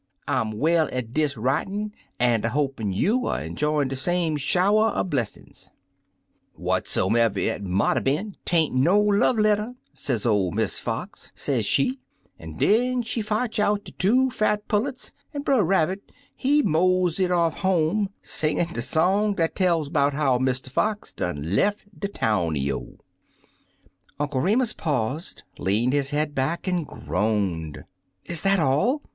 I 'm well at dis writin' an' 'a* hopin* you er enjoyin* de same shower er blessin's/ Whatsomever it mought er been, 'tain't no love letter,' sez or Miss Fox, sez she, an' den she fotch out de two fat pullets, an' Brer Rabbit, he mosied off home, sing in' de song dat tells 'bout how Mn Fox done lef de towny o." Uncle Remus paused, leaned his head back, and groaned. "Is that all?"